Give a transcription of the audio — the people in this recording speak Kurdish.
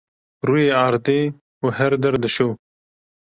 rûyê erdê û her der dişo.